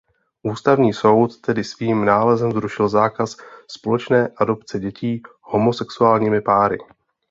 Ústavní soud tedy svým nálezem zrušil zákaz společné adopce dětí homosexuálními páry.